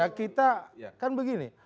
ya kita kan begini